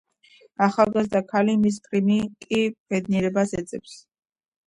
ახალგაზრდა ქალი მის პრიმი კი ბედნიერებას ეძებს.